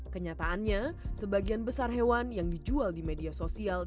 kenyataannya sebagian besar hewan yang dijual di media sosial